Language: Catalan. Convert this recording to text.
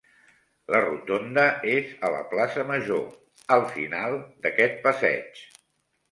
La rotonda és a la plaça Major, al final d'aquest passeig.